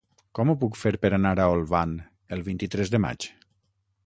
Com ho puc fer per anar a Olvan el vint-i-tres de maig?